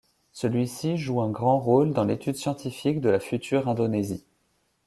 Celui-ci joue un grand rôle dans l’étude scientifique de la future Indonésie.